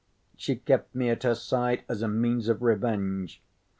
She kept me at her side as a means of revenge.